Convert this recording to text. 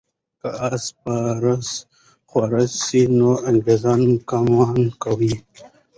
که آس سپاره خواره سي، نو انګریزان ګمان کوي.